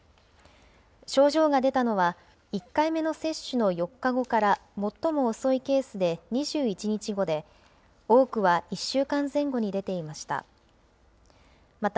症状が出たのは１回目の接種の４日後から最も遅いケースで２１日後で、多くは１週間前後に出ていました。